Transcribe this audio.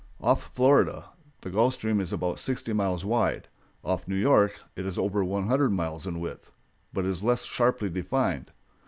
Off Florida the Gulf Stream is about sixty miles wide; off New York it is over one hundred miles in width, but is less sharply defined.